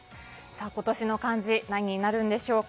今年の漢字何になるんでしょうか。